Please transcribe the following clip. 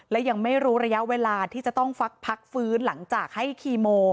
และยังไม่รู้ระยะเวลาที่จะต้องพักฟื้นหลังจากให้คีโม